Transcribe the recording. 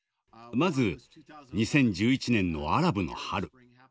まず２０１１年のアラブの春。